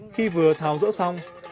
khi vừa tháo rỡ xong